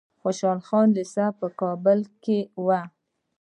خوشحال خان لیسه په کابل کې وه.